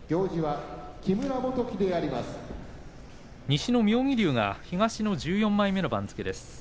西の妙義龍が東の１４枚目の番付です。